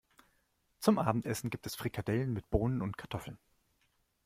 Zum Abendessen gibt es Frikadellen mit Bohnen und Kartoffeln.